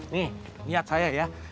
nih liat saya ya